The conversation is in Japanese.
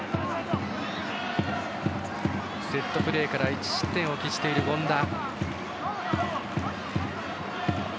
セットプレーから１失点を喫している、権田。